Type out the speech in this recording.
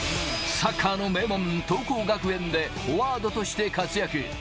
サッカーの名門・桐光学園でフォワードとして活躍。